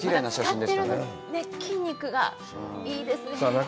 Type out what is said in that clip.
使ってる筋肉がいいですね。